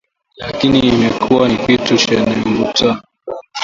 Lakini imekuwa ni kitu chenye mvutano ,